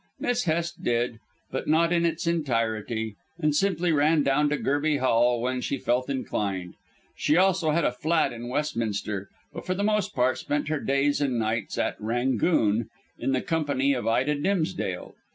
Miss Hest did, but not in its entirety, and simply ran down to Gerby Hall when she felt inclined. She also had a flat in Westminster, but for the most part spent her days and nights at "Rangoon" in the company of Ida Dimsdale.